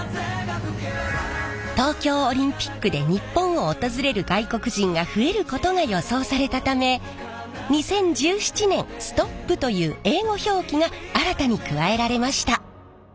東京オリンピックで日本を訪れる外国人が増えることが予想されたため２０１７年「ＳＴＯＰ」という英語表記が新たに加えられました。